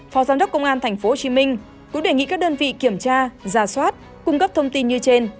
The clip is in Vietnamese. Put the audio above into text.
phó giám đốc công an tp hcm cũng đề nghị các đơn vị kiểm tra giả soát cung cấp thông tin như trên